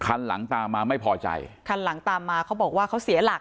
คันหลังตามมาไม่พอใจคันหลังตามมาเขาบอกว่าเขาเสียหลัก